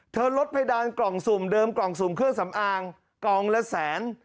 ลดเพดานกล่องสุ่มเดิมกล่องสุ่มเครื่องสำอางกล่องละแสน